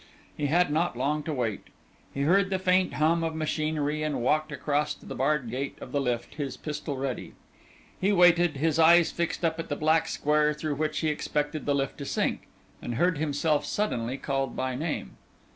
He had not long to wait; he heard the faint hum of machinery and walked across to the barred gate of the lift, his pistol ready. He waited, his eyes fixed up at the black square through which he expected the lift to sink, and heard himself suddenly called by name.